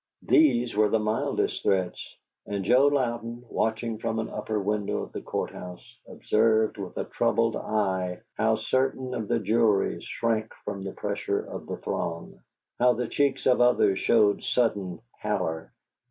These were the mildest threats, and Joe Louden, watching from an upper window of the Court house, observed with a troubled eye how certain of the jury shrank from the pressure of the throng, how the cheeks of others showed sudden pallor.